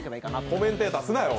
コメンテーターすなよ。